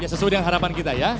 sesuai dengan harapan kita